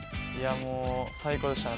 ◆もう最高でしたね。